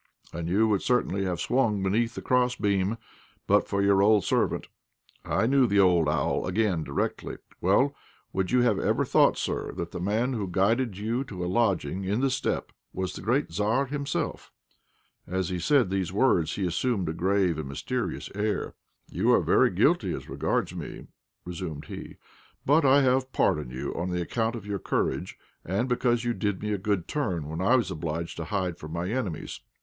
And you would certainly have swung beneath the cross beam but for your old servant. I knew the old owl again directly. Well, would you ever have thought, sir, that the man who guided you to a lodging in the steppe was the great Tzar himself?" As he said these words he assumed a grave and mysterious air. "You are very guilty as regards me," resumed he, "but I have pardoned you on account of your courage, and because you did me a good turn when I was obliged to hide from my enemies.